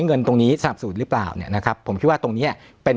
เงินตรงนี้สนับสนุนหรือเปล่าเนี่ยนะครับผมคิดว่าตรงเนี้ยเป็น